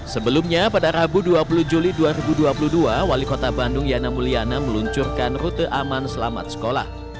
sebelumnya pada rabu dua puluh juli dua ribu dua puluh dua wali kota bandung yana mulyana meluncurkan rute aman selamat sekolah